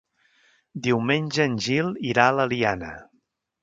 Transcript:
Diumenge en Gil irà a l'Eliana.